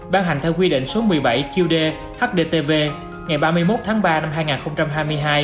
ban hành theo quy định số một mươi bảy qd hdtv ngày ba mươi một tháng ba năm hai nghìn hai mươi hai